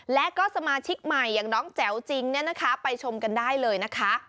แล้วก็สมาชิกใหม่อย่างน้องแจ๋วจิงไปชมกันได้เลยนะคะ